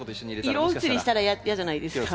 色移りしたら嫌じゃないですか。